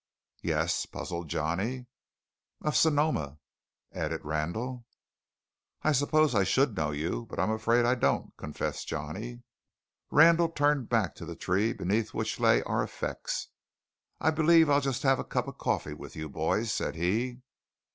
"Yes?" puzzled Johnny. "Of Sonoma," added Randall. "I suppose I should know you, but I'm afraid I don't," confessed Johnny. Randall turned back to the tree beneath which lay our effects. "I believe I'll just have a cup of coffee with you boys," said he.